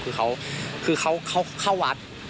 คือเขาเข้าวัด